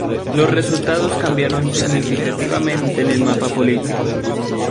Los resultados cambiaron significativamente el mapa político.